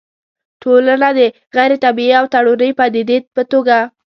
ټولنه د غيري طبيعي او تړوني پديدې په توګه